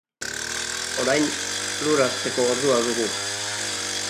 Orain, lur hartzeko ordua dugu.